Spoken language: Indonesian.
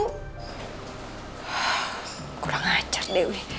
kurang ajar dewi